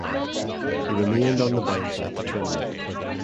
He remained on the bench at the tournament.